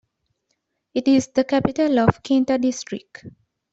It is the capital of Kinta District.